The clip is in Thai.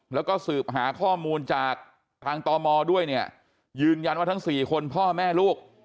แล้วก็สืบหาข้อมูลจากทางตมด้วยเนี่ยยืนยันว่าทั้ง๔คนพ่อแม่ลูก